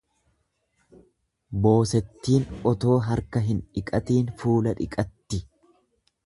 Boosettiin otoo harka hin dhiqatiin fuula dhiqatti.